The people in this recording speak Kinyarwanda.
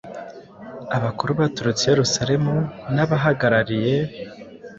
Abakuru baturutse i Yerusalemu n’abahagarariye